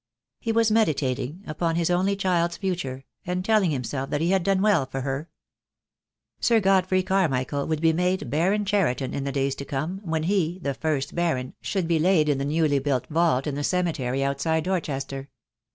He was meditat ing upon his only child's future, and telling himself that he had done well for her. Sir Godfrey Carmichael would be made Baron Cheriton in the days to come, when he, the first Baron, should be laid in the newly built vault in the cemetery outside Dorchester.